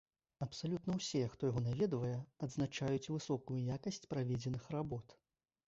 Абсалютна ўсе, хто яго наведвае, адзначаюць высокую якасць праведзеных работ.